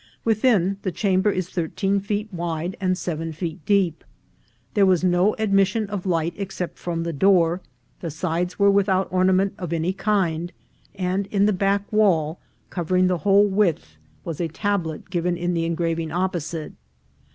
Within, the chamber is thirteen feet wide and seven feet deep. There was no admission of light except from the door ; the sides were without ornament of any kind, and in the back wall, covering the whole width, was the tablet given in the engraving opposite.